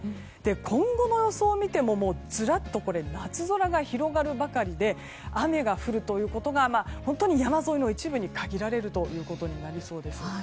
今後の予想を見てもずらっと夏空が広がるばかりで雨が降るということが本当に山沿いの一部に限られるということになりそうです。